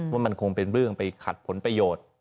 ว่ามันคงเป็นเรื่องไปขัดผลประโยชน์